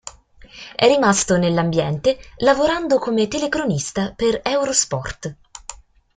È rimasto nell'ambiente lavorando come telecronista per Eurosport.